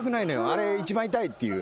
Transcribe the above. あれ一番痛いっていう。